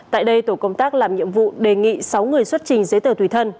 tại đây tổ công tác làm nhiệm vụ đề nghị sáu người xuất trình giấy tờ tùy thân